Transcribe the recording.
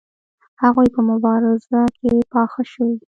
هغوی په مبارزه کې پاخه شوي دي.